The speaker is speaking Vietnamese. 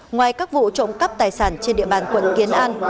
ngoài các vụ trộm cắp tài sản trên địa bàn quận kiến an